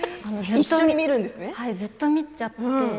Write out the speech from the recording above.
ずっと見ちゃって。